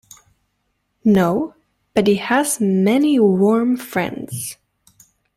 No; but he has many warm friends.